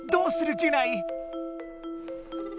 ギュナイ。